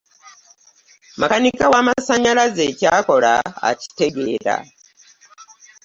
Makanika w'amasannyalaze ky'akola akitegeera.